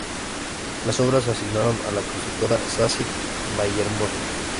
Las obras se asignaron a la constructora Sacyr Vallehermoso.